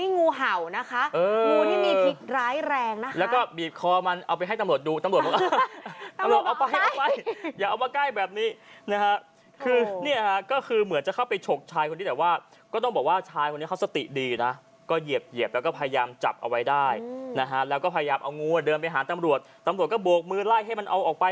งูตอนนี้จบแล้วจ้าเนี่ยเหยียบข้อปุ๊บเอามือจับคอมั๊บขึ้นมาเลย